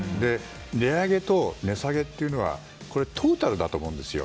値上げと値下げというのはトータルだと思うんですよ。